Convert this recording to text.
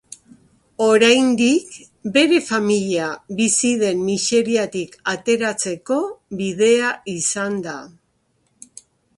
Oraindik bere familia bizi den miseriatik ateratzeko bidea izan da.